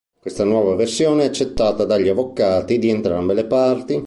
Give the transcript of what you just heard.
Questa nuova versione è accettata dagli avvocati di entrambe le parti.